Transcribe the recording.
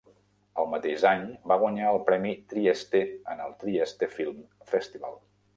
El mateix any va guanyar el Premi Trieste en el Trieste Film Festival.